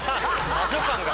魔女感が。